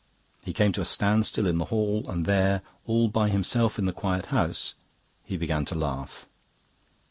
He came to a standstill in the hall, and there, all by himself in the quiet house, he began to laugh.